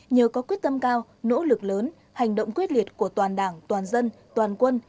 nhờ có quyết tâm cao nỗ lực lớn hành động quyết liệt của toàn đảng toàn dân toàn quân